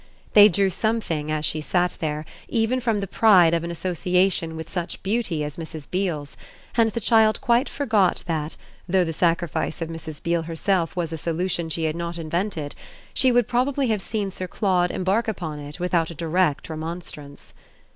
They drew something, as she sat there, even from the pride of an association with such beauty as Mrs. Beale's; and the child quite forgot that, though the sacrifice of Mrs. Beale herself was a solution she had not invented, she would probably have seen Sir Claude embark upon it without a direct remonstrance.